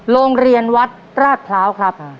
โรงเรียนวัดราชพร้าวครับ